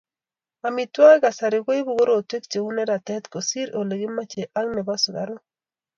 Amitwogikab kasari koibu korotwek cheu neratet kosir Ole kimochei ak nebo sukaruk